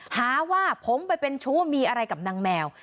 หาว่าผมไปเป็นชู้มีอะไรกับนางแมว